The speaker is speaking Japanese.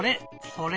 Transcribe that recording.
「それ」